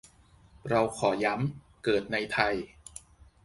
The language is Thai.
เราขอย้ำ เกิดในไทย